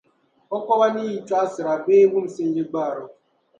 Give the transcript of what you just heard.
O kɔba ni yi chɔɣisira bee wumsim yi gbaari o.